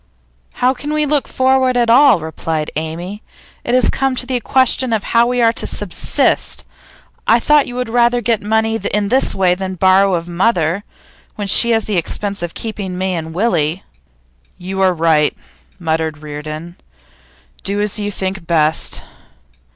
'How can we look forward at all?' replied Amy. 'It has come to the question of how we are to subsist. I thought you would rather get money in this way than borrow of mother when she has the expense of keeping me and Willie.' 'You are right,' muttered Reardon. 'Do as you think best.